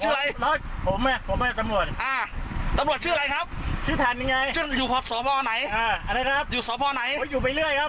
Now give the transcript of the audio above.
สะพานลอยอ๋อให้อินหาเข้านะครับดูรถสีนี้บอกว่าเป็นจำรวจนะครับ